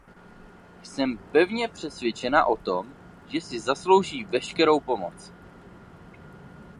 Jsem pevně přesvědčena o tom, že si zaslouží veškerou pomoc.